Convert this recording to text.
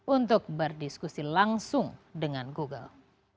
untuk berdiskusi langsung dengan google